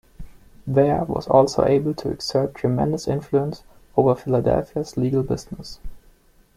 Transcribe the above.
Vare was also able to exert tremendous influence over Philadelphia's legal business.